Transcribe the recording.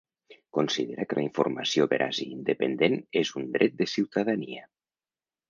Considera que la informació veraç i independent és un dret de ciutadania.